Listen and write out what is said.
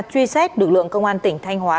truy xét được lượng công an tỉnh thanh hóa